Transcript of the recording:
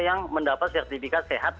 yang mendapat sertifikat sehat